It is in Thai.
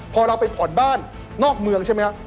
พอเราไปผ่อนบ้านนอกเมืองใช่ไหมครับ